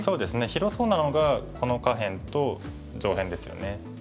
広そうなのがこの下辺と上辺ですよね。